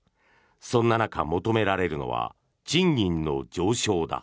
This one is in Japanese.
そんな中、求められるのは賃金の上昇だ。